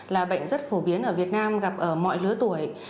là bệnh rất phổ biến ở việt nam gặp ở mọi lứa tuổi